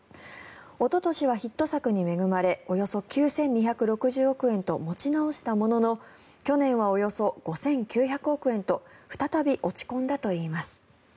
おととしはヒット作に恵まれおよそ９２６０億円と持ち直したものの去年はおよそ５９００億円と再び落ち込んだといいます。